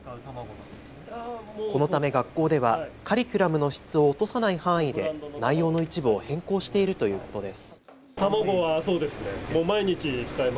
このため学校ではカリキュラムの質を落とさない範囲で内容の一部を変更しているということです。